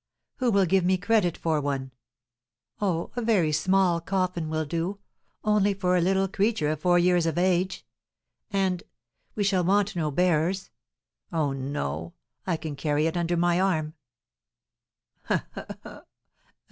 Who will give me credit for one? Oh, a very small coffin will do, only for a little creature of four years of age! And we shall want no bearers! Oh, no, I can carry it under my arm. Ha! ha!